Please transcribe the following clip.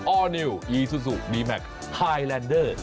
อร์นิวอีซูซูดีแมคไฮแลนเดอร์